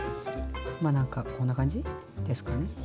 まあなんかこんな感じですかね。